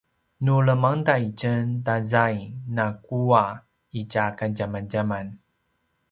nu lemangda itjen ta zaing na kuwa itja kadjamadjaman